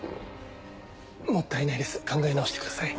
もったいないです考え直してください。